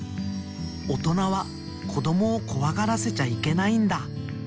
おとなはこどもをこわがらせちゃいけないんだ。